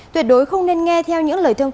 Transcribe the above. tuyệt đối không nên nghe theo những lời thuyết